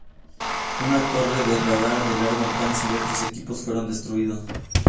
Una torre de radar de largo alcance y otros equipos fueron destruidos.